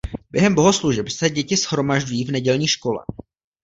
Během bohoslužeb se děti shromažďují v nedělní škole.